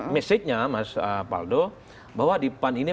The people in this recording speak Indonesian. mesejnya mas faldo bahwa di pan ini memang kutip kutip